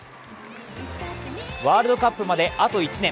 ワールドカップまであと１年。